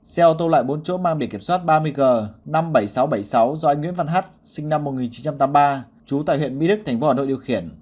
xe ô tô lại bốn chỗ mang bề kiểm soát ba mươi g năm mươi bảy nghìn sáu trăm bảy mươi sáu do anh nguyễn văn hát sinh năm một nghìn chín trăm tám mươi ba trú tại huyện mỹ đức tp hà nội điều khiển